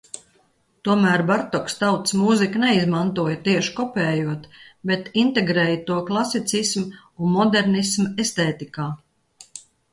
Tomēr Bartoks tautas mūziku neizmantoja tieši kopējot, bet integrēja to klasicisma un modernisma estētikā.